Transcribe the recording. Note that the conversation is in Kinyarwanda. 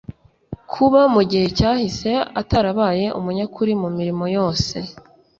kuba mu gihe cyahise atarabaye umunyakuri mu mirimo yose